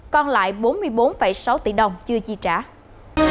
còn lại bốn mươi bốn sáu tỷ đồng chưa chi trả